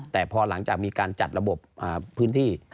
แต่พอหลังจากมีการจัดระบบพื้นที่